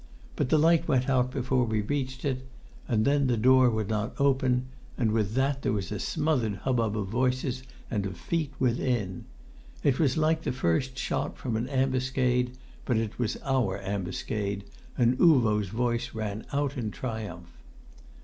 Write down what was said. But the light went out before we reached it, and then the door would not open, and with that there was a smothered hubbub of voices and of feet within. It was like the first shot from an ambuscade, but it was our ambuscade, and Uvo's voice rang out in triumph.